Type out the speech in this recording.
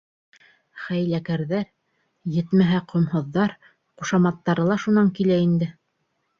Хәйләкәрҙәр, етмәһә, ҡомһоҙҙар, ҡушаматтары ла шунан килә инде.